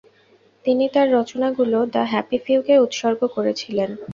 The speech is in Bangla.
তিনি তাঁর রচনাগুলো "দ্য হ্যাপি ফিউ"কে উৎসর্গ করেছিলেন।